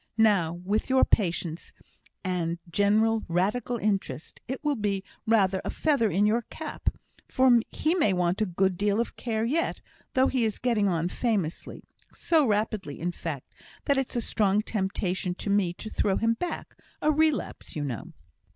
Now, with your patients, and general Radical interest, it will be rather a feather in your cap; for he may want a good deal of care yet, though he is getting on famously so rapidly, in fact, that it's a strong temptation to me to throw him back a relapse, you know."